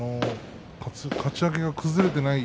かち上げが崩れていない